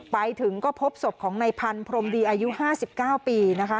ไปถึงก็พบศพของในพันธุ์พรมดีอายุห้าสิบเก้าปีนะคะ